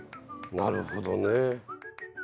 なるほどね。